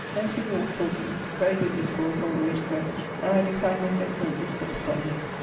Thence we walked talking, very good discourse all the way to Greenwich, and I do find most excellent discourse from him.